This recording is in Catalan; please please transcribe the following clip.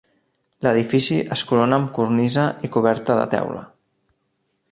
L'edifici es corona amb cornisa i coberta de teula.